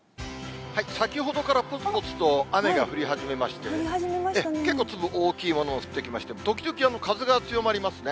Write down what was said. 先ほどからぽつぽつと雨が降り始めましてね、結構粒大きいもの降ってきまして、時々、風、強まりますね。